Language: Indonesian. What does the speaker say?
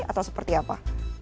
atau seperti apa